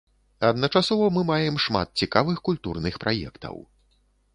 Адначасова мы маем шмат цікавых культурных праектаў.